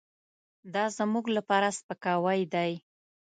دازموږ لپاره سپکاوی دی .